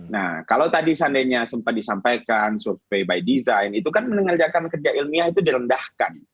nah kalau tadi seandainya sempat disampaikan survei by design itu kan mengerjakan kerja ilmiah itu direndahkan